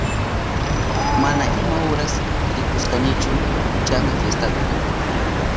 Mana ima uras rikushkanichu chasna fiestata.